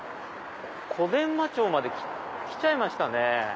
小伝馬町まで来ちゃいましたね。